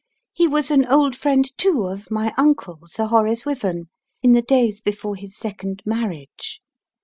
He was an old friend, too, of my uncle, Sir Horace Wyvern, in the days before his second marriage.